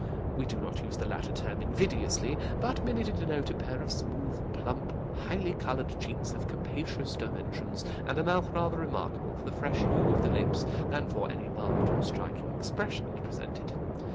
We do not use the latter term invidiously, but merely to denote a pair of smooth, plump, highly coloured cheeks of capacious dimensions, and a mouth rather remarkable for the fresh hue of the lips than for any marked or striking expression it presented.